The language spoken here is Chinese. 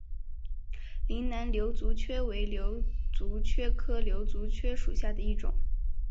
岭南瘤足蕨为瘤足蕨科瘤足蕨属下的一个种。